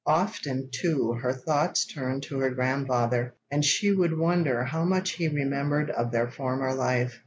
Often, too, her thoughts turned to her grandfather, and she would wonder how much he remembered of their former life.